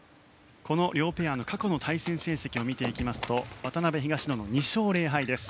両ペアの過去の対戦成績を見ていきますと渡辺、東野の２勝０敗です。